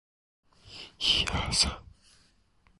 下一段活用活用类型的一种。